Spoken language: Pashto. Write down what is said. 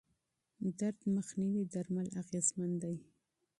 درد مخنیوي درمل اغېزمن دي.